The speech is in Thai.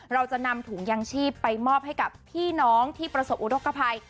เราจะนำถุงยางชีพไปมอบให้กับพี่น้องที่ประสบอุทธกภัย